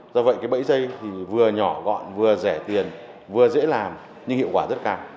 do vậy bẫy dây vừa nhỏ gọn vừa rẻ tiền vừa dễ làm nhưng hiệu quả rất cao